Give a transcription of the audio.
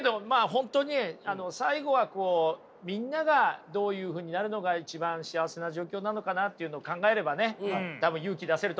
本当に最後はみんながどういうふうになるのが一番幸せな状況なのかなっていうのを考えればね多分勇気出せると思います。